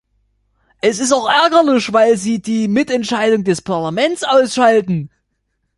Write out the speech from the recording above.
Es ist auch ärgerlich, weil sie die Mitentscheidung des Parlaments ausschalten.